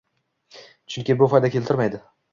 Chunki bu foyda keltirmaydi